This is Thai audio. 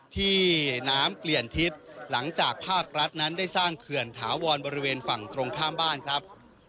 ที่น้ำเปลี่ยนทิศหลังจากภาครัฐนั้นได้สร้างเขื่อนถาวรบริเวณฝั่งตรงข้ามบ้านครับ